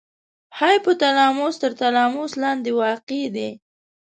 هایپو تلاموس تر تلاموس لاندې واقع دی.